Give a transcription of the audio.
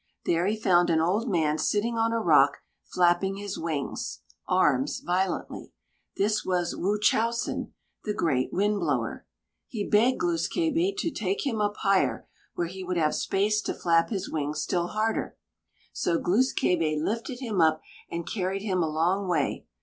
There he found an old man sitting on a rock flapping his wings (arms) violently. This was "Wūchowsen," the great Wind blower. He begged Glūs kābé to take him up higher, where he would have space to flap his wings still harder. So Glūs kābé lifted him up and carried him a long way.